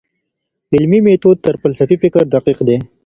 علمي ميتود تر فلسفي فکر دقيق دی.